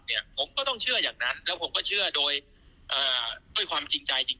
ผมก็ต้องเชื่ออย่างนั้นแล้วผมก็เชื่อโดยด้วยความจริงใจจริง